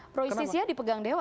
proistisnya dipegang dewas kan